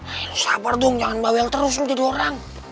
ay lu sabar dong jangan bawel terus lu jadi orang